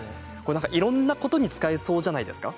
いろいろなことに使えそうじゃないですか？